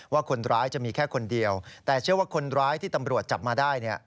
ว่าคนร้ายจะมีแค่คนเดียวแต่เชื่อว่าคนร้ายที่ตำรวจจับมาได้